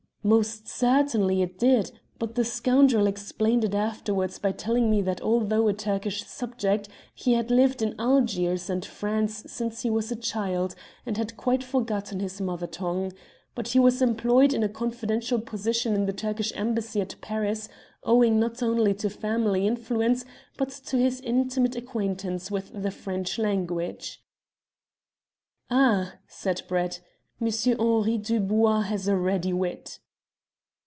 "Most certainly it did. But the scoundrel explained it afterwards by telling me that although a Turkish subject, he had lived in Algiers and France since he was a child, and had quite forgotten his mother tongue. But he was employed in a confidential position in the Turkish Embassy at Paris, owing not only to family influence, but to his intimate acquaintance with the French language." "Ah!" said Brett, "Monsieur Henri Dubois has a ready wit."